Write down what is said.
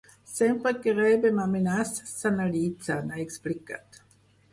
“Sempre que rebem amenaces s’analitzen”, ha explicat.